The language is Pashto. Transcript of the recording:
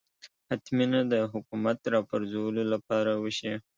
حتمي نه ده حکومت راپرځولو لپاره وشي